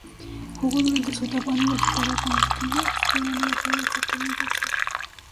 Jugó durante su etapa universitaria con los "Tigers" de la Universidad Estatal de Jackson.